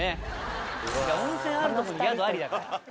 温泉ある所に宿ありだから。